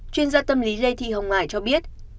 chuyên gia tâm lý lê thị hồng hải cho biết